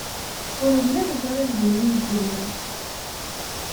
Ur lliɣ ẓriɣ din ay yella.